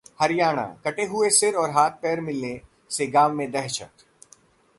हरियाणाः कटे हुए सिर और हाथ-पैर मिलने से गांव में दहशत